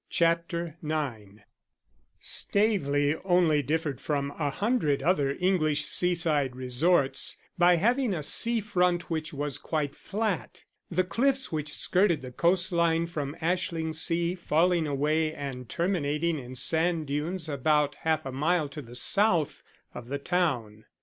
CHAPTER IX STAVELEY only differed from a hundred other English seaside resorts by having a sea front which was quite flat, the cliffs which skirted the coastline from Ashlingsea falling away and terminating in sand dunes about half a mile to the south of the town.